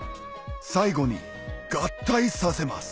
最後に合体させます